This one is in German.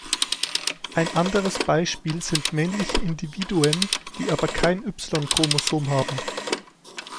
Ein anderes Beispiel sind männliche Individuen, die aber kein Y-Chromosom haben.